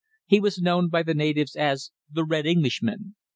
He was known by the natives as 'The Red Englishman.'